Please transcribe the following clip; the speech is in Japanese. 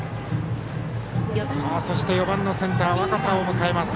そして、４番のセンター若狭を迎えます。